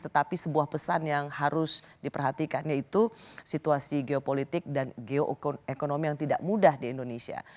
tetapi sebuah pesan yang harus diperhatikan yaitu situasi geopolitik dan geokonom yang tidak mudah di indonesia